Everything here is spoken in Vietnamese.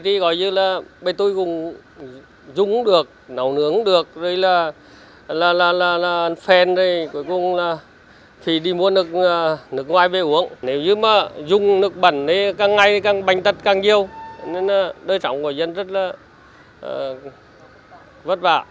thì đi mua nước ngoài về uống nếu như mà dùng nước bẩn thì càng ngay càng bành tật càng nhiều nên đời sống của dân rất là vất vả